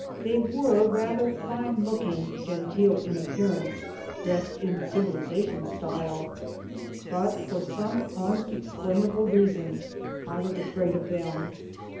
They were rather fine looking, genteel in appearance, dressed in civilization style, but for some unexplainable reason, I was afraid of them.